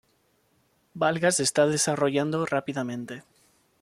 Valga se está desarrollando rápidamente.